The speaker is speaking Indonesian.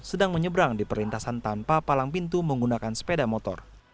sedang menyeberang di perlintasan tanpa palang pintu menggunakan sepeda motor